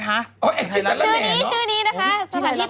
สถานที่แต่งงานหรอ